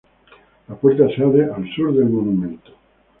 La puerta se abre al sur del monumento.